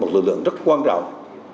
một lực lượng rất quan trọng